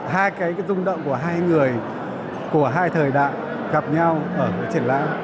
hai cái dung động của hai người của hai thời đại gặp nhau ở triển lãm